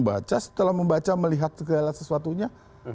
baca setelah membaca melihat segala sesuatunya